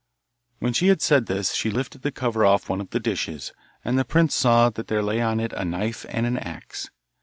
When she had said this she lifted the cover off one of the dishes, and the prince saw that there lay on it a knife and an axe.